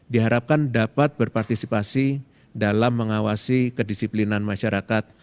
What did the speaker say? diharapkan dapat berpartisipasi dalam mengawasi kedisiplinan masyarakat